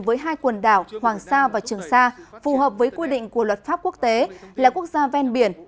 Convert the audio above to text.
với hai quần đảo hoàng sa và trường sa phù hợp với quy định của luật pháp quốc tế là quốc gia ven biển